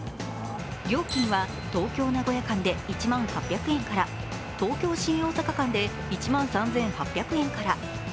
料金は東京−名古屋間で１万８００円から、東京−新大阪間で１万３８００円から。